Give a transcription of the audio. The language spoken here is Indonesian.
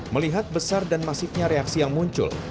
melihat besar dan masifnya reaksi yang muncul